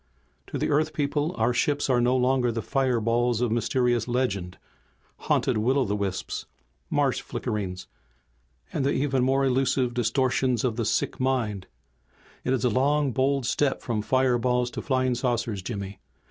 "To the Earth people our ships are no longer the fireballs of mysterious legend, haunted will o' the wisps, marsh flickerings and the even more illusive distortions of the sick in mind. It is a long bold step from fireballs to flying saucers, Jimmy.